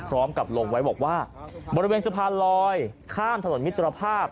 พร้อมกับลงไว้บอกว่าบริเวณสะพานลอยข้ามถนนมิตรภาพ